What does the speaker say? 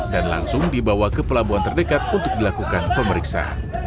dan langsung dibawa ke pelabuhan terdekat untuk dilakukan pemeriksa